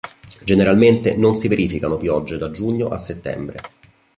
Generalmente non si verificano piogge da giugno a settembre.